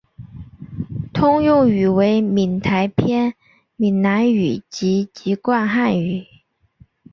通用语为闽台片闽南语及籍贯汉语。